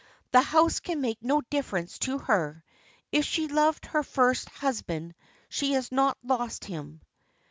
"The house can make no difference to her. If she loved her first husband she has not lost him."